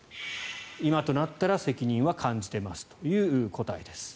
今となったら責任は感じてますという答えです。